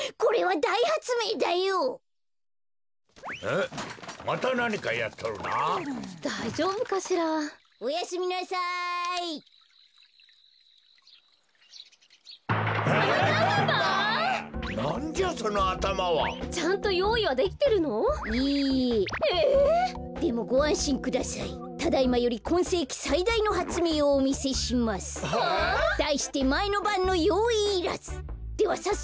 だいしてまえのばんのよういいらず！